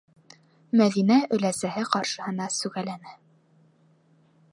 - Мәҙинә өләсәһе ҡаршыһына сүгәләне.